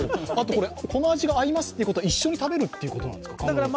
あと、この味が合いますってことは一緒に食べるってことですか？